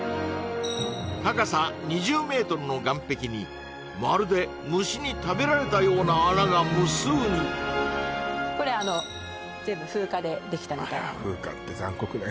高さ２０ｍの岸壁にまるで虫に食べられたような穴が無数にこれあの全部風化でできたあら風化って残酷ね